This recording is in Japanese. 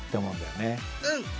うん！